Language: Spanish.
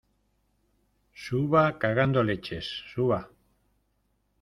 suba, cagando leches. ¡ suba!